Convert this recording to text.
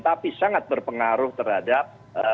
tapi sangat berpengaruh terhadap